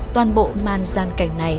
toàn bộ màn gian cảnh này